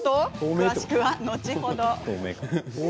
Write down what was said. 詳しくは後ほど。